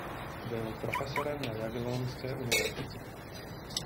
Byl profesorem na Jagellonské univerzitě.